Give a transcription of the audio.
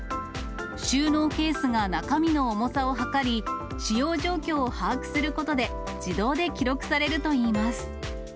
収納ケースが中身の重さを量り、使用状況を把握することで、自動で記録されるといいます。